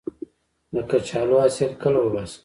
د کچالو حاصل کله وباسم؟